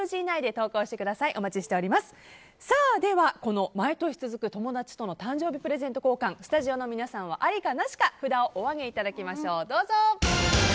では、毎年続く友達との誕生日プレゼント交換スタジオの皆さんはありかなしか札を上げてください。